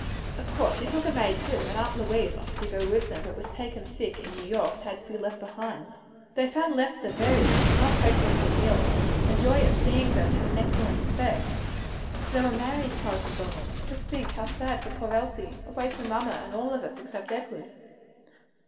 "Of course she took a maid too, and Aunt Louise offered to go with them, but was taken sick in New York, so had to be left behind. "They found Lester very but not hopelessly ill, and the joy of seeing them had an excellent effect. So they were married, Cousin Donald. Just think how sad for poor Elsie! away from mamma and all of us except Edward!"